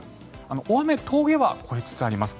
大雨、峠は越えつつあります。